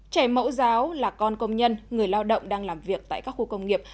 trẻ mẫu giáo là con công nhân người lao động đang làm việc tại các khu công nghiệp